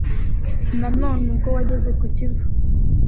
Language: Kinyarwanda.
Nanone ubwo wageze ku Kivu